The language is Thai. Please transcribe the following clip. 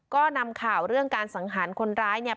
ก็นำข่าวเรื่องการสังหารคนร้ายเนี่ย